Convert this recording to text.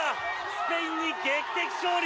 スペインに劇的勝利。